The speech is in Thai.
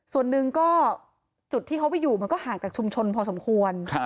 ส่วนหนึ่งก็จุดที่เขาไปอยู่มันก็ห่างจากชุมชนพอสมควร